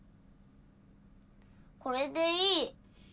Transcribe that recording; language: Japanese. これでいい。